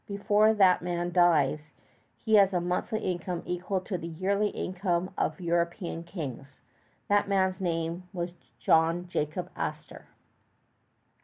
Before that man dies, he has a monthly income equal to the yearly income of European kings. That man's name was John Jacob Astor.